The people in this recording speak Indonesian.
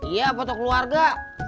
iya foto keluarga